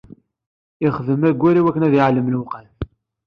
Ixdem ayyur iwakken ad iɛellem lewqat.